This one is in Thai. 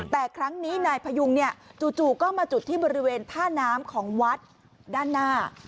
แต่ครั้งนี้นายพยุงจู่ก็มาจุดที่บริเวณท่าน้ำของวัดด้านหน้า